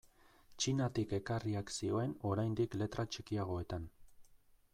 Txinatik ekarriak zioen oraindik letra txikiagoetan.